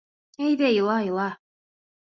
— Әйҙә, ила, ила!